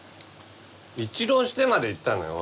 １浪してまで行ったのよ